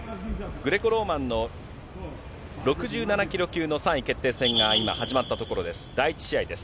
グレコローマンの６７キロ級の３位決定戦が今、始まったところです。